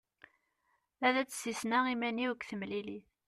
Ad d-ssisneɣ iman-iw deg temlilit.